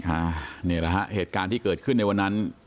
อันนี้แหละฮะเหตุการณ์ที่เกิดขึ้นในวันนั้น